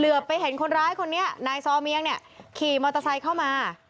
ไปเห็นคนร้ายคนนี้นายซอเมียงเนี่ยขี่มอเตอร์ไซค์เข้ามา